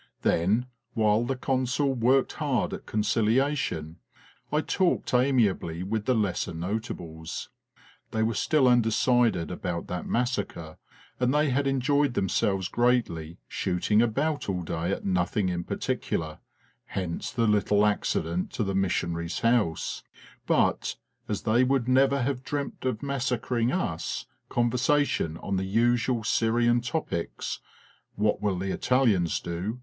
Then, while the Consul worked hard at conciliation, I talked amiably with the lesser notables. They were still un decided about that massacre, and they had enjoyed themselves greatly shooting about all day at nothing in particular (hence the little accident to the mission aries' house); but, as they would never have dreamt of massacring us, conversation on the usual Syrian topics "What will the Italians do?